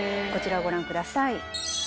こちらをご覧ください。